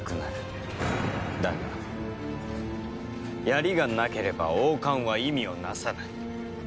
だが槍がなければ王冠は意味を成さない。